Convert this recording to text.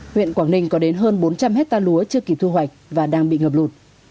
huyện quảng ninh có đến hơn bốn trăm linh hectare lúa chưa kịp thu hoạch và đang bị ngập lụt